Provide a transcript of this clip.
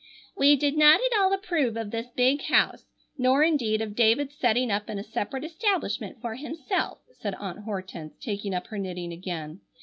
"We did not at all approve of this big house, nor indeed of David's setting up in a separate establishment for himself," said Aunt Hortense, taking up her knitting again.